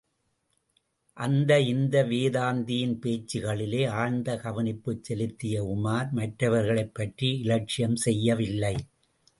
அந்த இந்து வேதாந்தியின் பேச்சுக்களிலே ஆழ்ந்த கவனிப்புச் செலுத்திய உமார், மற்றவர்களைப் பற்றி இலட்சியம் செய்யவில்லை.